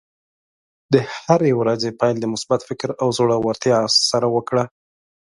د هرې ورځې پیل د مثبت فکر او زړۀ ورتیا سره وکړه.